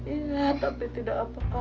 iya tapi tidak apa apa